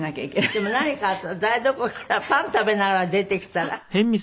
でも何かあったら台所からパン食べながら出てきたらその時。